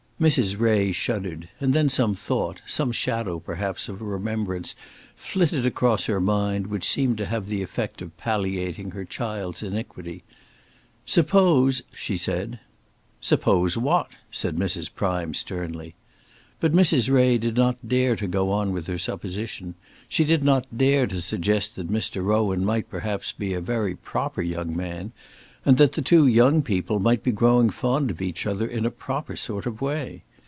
Mrs. Ray shuddered; and then some thought, some shadow perhaps of a remembrance, flitted across her mind, which seemed to have the effect of palliating her child's iniquity. "Suppose " she said. "Suppose what?" said Mrs. Prime, sternly. But Mrs. Ray did not dare to go on with her supposition. She did not dare to suggest that Mr. Rowan might perhaps be a very proper young man, and that the two young people might be growing fond of each other in a proper sort of way.